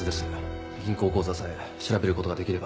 銀行口座さえ調べることができれば。